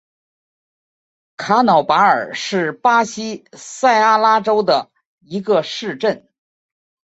卡瑙巴尔是巴西塞阿拉州的一个市镇。